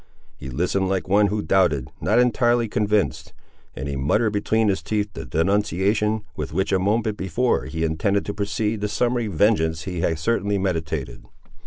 He listened like one who doubted, not entirely convinced: and he muttered between his teeth the denunciation, with which a moment before he intended to precede the summary vengeance he had certainly meditated.